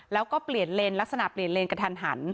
แล้วก็เปลี่ยนเลนลักษณะเปลี่ยนเลนกระทันหัน